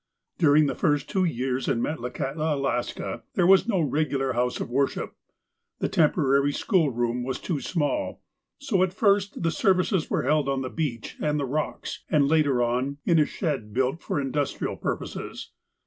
During the first two years in Metlakahtla, Alaska, there was no regular house of worship. The temporary schoolroom was too small, so, at first, the services were held on the beach and the rocks, and, later on, in a shed built for industrial purposes.